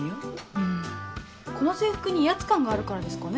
うんこの制服に威圧感があるからですかね。